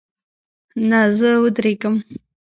نه، زه ودریږم